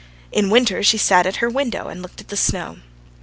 In winter she sat at her window and looked at the snow.